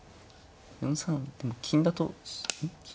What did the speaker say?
４三でも金だとうん？